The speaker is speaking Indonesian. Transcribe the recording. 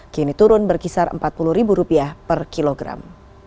kini turun berkisar rp empat puluh per kilogram